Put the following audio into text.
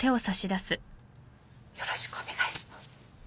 よろしくお願いします。